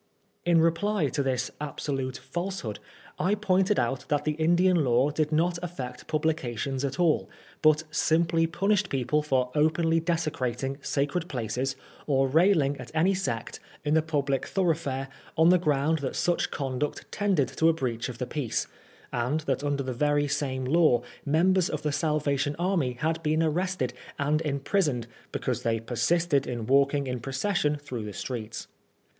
In reply to this absolute falsehood, I pointed out that the Indian law did not aflEect publications at all, but simply punished people for openly desecrating sacred places or railing at any sect in the public thoroughfare 70 PRISONER FOR BLASPHEMY. on the ground that such conduct tended to a breach of the peace ; and that under the very same law members of the Salvation Army had been arrested and imprisoned because they persisted in walking in procession through the streets.